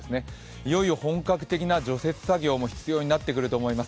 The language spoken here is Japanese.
いよいよ本格的な除雪作業も必要になってくると思います。